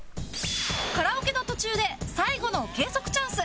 カラオケの途中で最後の計測チャンス